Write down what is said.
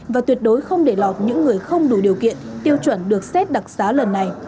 và tuyệt đối không để lọt những người không đủ điều kiện tiêu chuẩn được xét đặc xá lần này